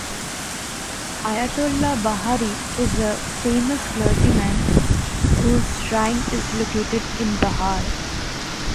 Ayatollah Bahari is a famous clergyman whose shrine is located in Bahar.